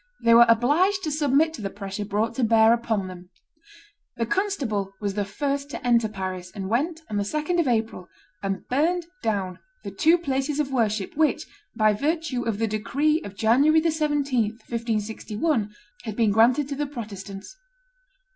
They were obliged to submit to the pressure brought to bear upon them. The constable was the first to enter Paris, and went, on the 2d of April, and burned down the two places of worship which, by virtue of the decree of January 17, 1561, had been granted to the Protestants.